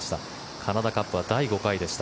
カナダカップは第５回でした。